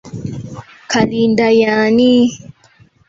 Kalinda ye ani?